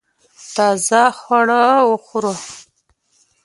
تازه خواړه وخوره